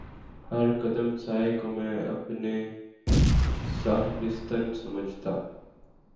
ہر قدم سائے کو میں اپنے شبستان سمجھا